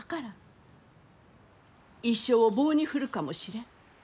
一生を棒に振るかもしれん。